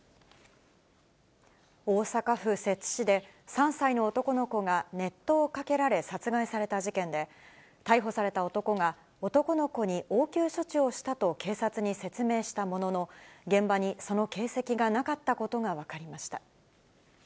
大阪府摂津市で３歳の男の子が熱湯をかけられ、殺害された事件で、逮捕された男が、男の子に応急処置をしたと警察に説明したものの、現場にその形跡がなかったことが分かりました。